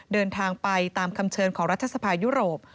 เดินทางไปตามคำเชิญของรัฐสภายุโรป